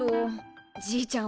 じいちゃん